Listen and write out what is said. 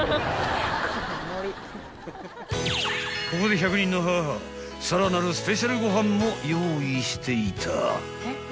［ここで１００人の母さらなるスペシャルご飯も用意していた］